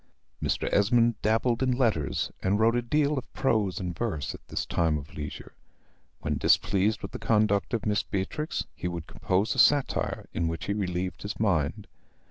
Mr. Esmond dabbled in letters, and wrote a deal of prose and verse at this time of leisure. When displeased with the conduct of Miss Beatrix, he would compose a satire, in which he relieved his mind.